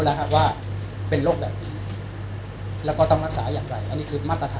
แล้วบุกกับโรคพวกนี้พอผู้เที่ยวชังดูก็จะรู้ว่า